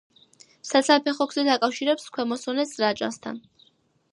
საცალფეხო გზით აკავშირებს ქვემო სვანეთს რაჭასთან.